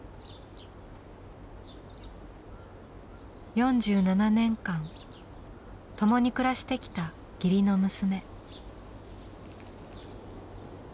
４７年間共に暮らしてきた義理の娘。